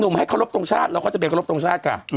ให้เคารพทรงชาติเราก็จะไปเคารพทรงชาติค่ะ